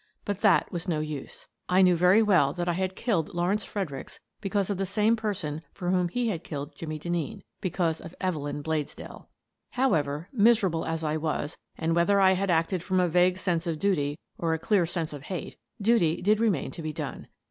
But that was no use. I knew very well that I had killed Lawrence Fredericks because of the same person for whom he had killed Jimmie Denneen — because of Evelyn Bladesdell. However, miserable as I was, and whether I had acted from a vague sense of duty or a clear sense of hate, duty did remain to be done.